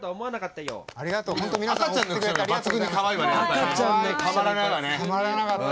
たまらなかった。